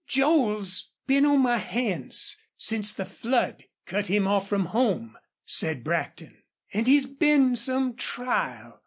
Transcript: "Joel's been on my hands since the flood cut him off from home," said Brackton. "An' he's been some trial.